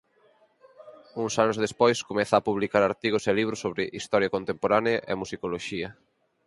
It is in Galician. Uns anos despois comeza a publicar artigos e libros sobre historia contemporánea e musicoloxía.